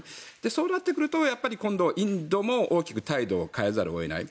そうなってくるとやっぱり今度、インドも大きく態度を変えざるを得ない。